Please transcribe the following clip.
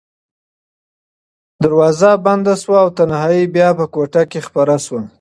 دروازه بنده شوه او تنهایي بیا په کوټه کې خپره شوه.